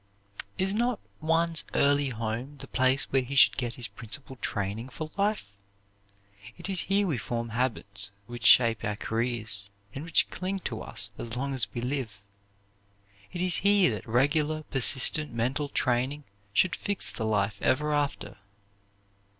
Is not one's early home the place where he should get his principal training for life? It is here we form habits which shape our careers, and which cling to us as long as we live. It is here that regular, persistent mental training should fix the life ever after.